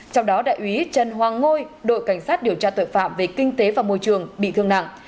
trong đó đại úy trần hoàng ngôi đội cảnh sát điều tra tội phạm về kinh tế và môi trường bị thương nặng